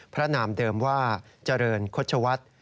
พระนามเดิมว่าจริงคชวัศ